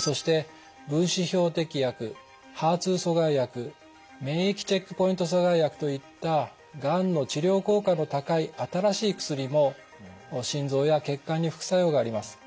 そして分子標的薬ＨＥＲ２阻害薬免疫チェックポイント阻害薬といったがんの治療効果の高い新しい薬も心臓や血管に副作用があります。